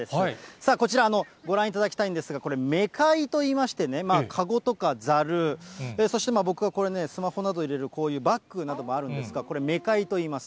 さあ、こちら、ご覧いただきたいんですが、これ、メカイといいましてね、籠とかざる、そして僕はこれね、スマホなど入れるこういうバッグなどもあるんですが、これ、メカイといいます。